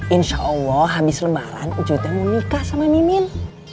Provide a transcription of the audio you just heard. insya allah habis lebaran cuy mau nikah sama mimin